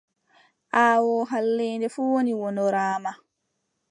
Aawoo halleende fuu woni wonnoraamaa.